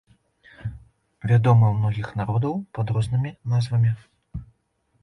Вядомы ў многіх народаў пад рознымі назвамі.